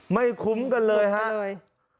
ไม่คุ้มกันเลยฮะไม่คุ้มกันเลย